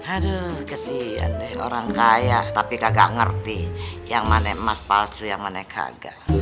aduh kesian deh orang kaya tapi kakak ngerti yang mana emas palsu yang mana kagak